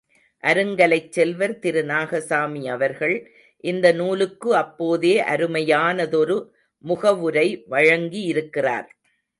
அருங்கலைச் செல்வர் திரு, நாகசாமி அவர்கள், இந்த நூலுக்கு அப்போதே அருமையானதொரு முகவுரை வழங்கியிருக்கிறார்.